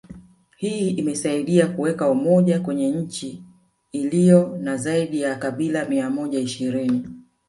Hii imesaidia kuweka umoja kwenye nchi ilio na zaidi ya kabila mia moja ishirini